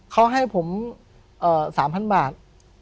เขาให้ผม๓๐๐บาท